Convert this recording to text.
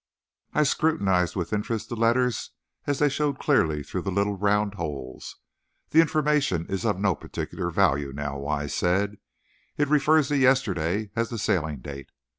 I scrutinized with interest the letters as they showed clearly through the little round holes. "The information is of no particular value now," Wise said; "it refers to yesterday as the sailing date.